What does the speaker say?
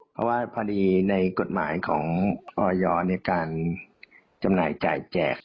เพราะว่าพอดีในกฎหมายของออยในการจำหน่ายจ่ายแจก